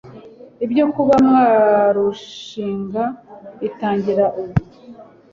ibyo kuba mwarushinga bitangira ubwo